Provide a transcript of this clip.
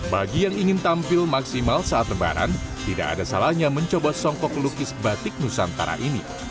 bagi yang ingin tampil maksimal saat lebaran tidak ada salahnya mencoba songkok lukis batik nusantara ini